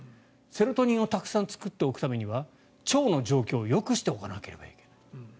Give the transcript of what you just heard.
セロトニンをたくさん作っておくためには腸の状況をよくしておかなければいけない。